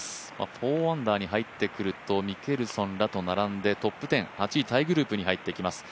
４アンダーに入ってくるとミケルソンらと並んでトップ１０、８位タイグループに入っていきます。